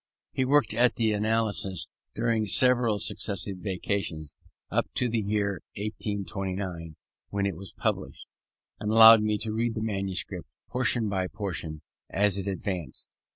He worked at the Analysis during several successive vacations, up to the year 1829, when it was published, and allowed me to read the manuscript, portion by portion, as it advanced.